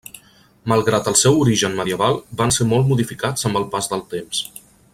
Malgrat el seu origen medieval, van ser molt modificats amb el pas del temps.